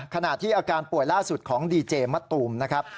ขณะที่อาการป่วยล่าสุดของดีเจมะตูมนะครับ